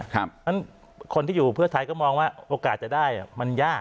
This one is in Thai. เพราะฉะนั้นคนที่อยู่เพื่อไทยก็มองว่าโอกาสจะได้มันยาก